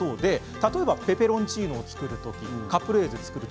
例えばペペロンチーノやカプレーゼを作る時